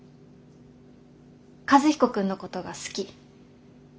和彦君のことが好き。